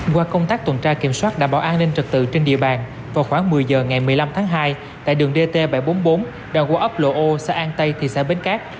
qua công tác tuần tra kiểm soát đảm bảo an ninh trật tự trên địa bàn vào khoảng một mươi giờ ngày một mươi năm tháng hai tại đường dt bảy trăm bốn mươi bốn đoạn qua ấp lộ o xã an tây thị xã bến cát